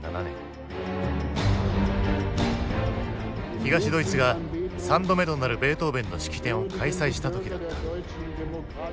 東ドイツが３度目となるベートーヴェンの式典を開催した時だった。